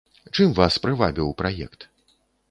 Чым вас прывабіў праект?